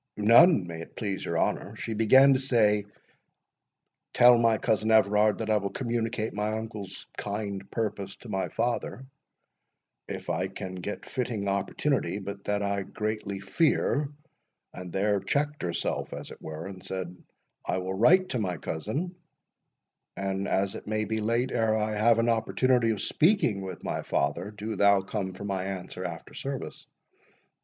"None, may it please your honour—She began to say, 'Tell my cousin Everard that I will communicate my uncle's kind purpose to my father, if I can get fitting opportunity—but that I greatly fear'—and there checked herself, as it were, and said, 'I will write to my cousin; and as it may be late ere I have an opportunity of speaking with my father, do thou come for my answer after service.